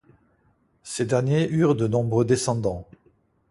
Ces derniers eurent de nombreux descendants.